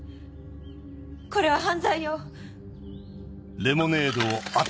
これは犯罪よ。